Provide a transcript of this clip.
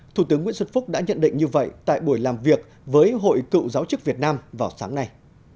thủ tướng nguyễn xuân phúc đã nhận định như vậy tại buổi làm việc với hội cựu giáo chức việt nam vào sáng nay